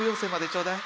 ちょうだい。